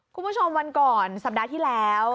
คุณผู้ชมวันก่อนสัปดาห์ที่แล้ว